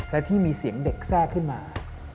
และที่มีเสียงเด็กแทรกขึ้นมา